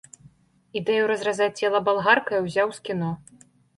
Ідэю разрэзаць цела балгаркай узяў з кіно.